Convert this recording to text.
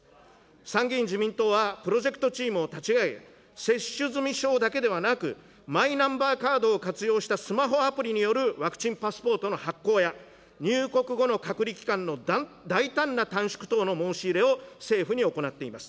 参議院自民党は、プロジェクトチームを立ち上げ、接種済証だけではなく、マイナンバーカードを活用したスマホアプリによるワクチンパスポートの発行や、入国後の隔離期間の大胆な短縮等の申し入れを政府に行っています。